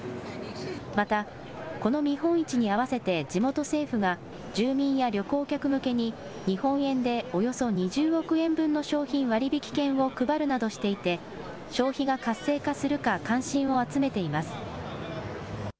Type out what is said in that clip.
また、この見本市に合わせて、地元政府が住民や旅行客向けに、日本円でおよそ２０億円分の商品割引券を配るなどしていて、消費が活性化するか関心を集めています。